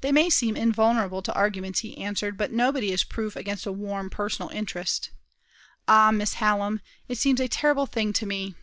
"They may seem invulnerable to arguments," he answered, "but nobody is proof against a warm, personal interest. Ah, Miss Hallam, it seems a terrible thing to me.